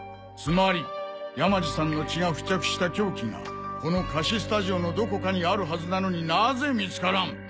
つまり山路さんの血が付着した凶器がこの貸しスタジオのどこかにあるはずなのになぜ見つからん！？